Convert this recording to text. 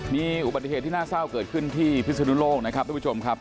มีอุบัติเหตุที่น่าเศร้าเกิดขึ้นที่พิศนุโลกนะครับทุกผู้ชมครับ